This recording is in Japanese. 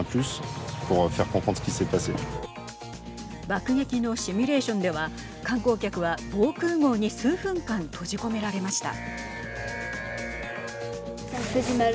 爆撃のシミュレーションでは観光客は、防空ごうに数分間閉じ込められました。